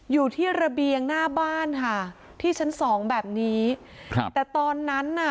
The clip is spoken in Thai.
อยู่ที่ระเบียงหน้าบ้านค่ะที่ชั้นสองแบบนี้ครับแต่ตอนนั้นน่ะ